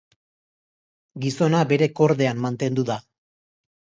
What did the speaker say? Gizona bere kordean mantendu da.